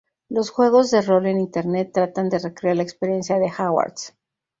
Los juegos de rol en Internet tratan de recrear la experiencia de Hogwarts.